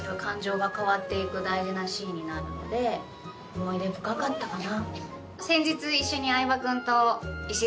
思い出深かったかな。